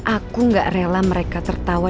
aku gak rela mereka tertawa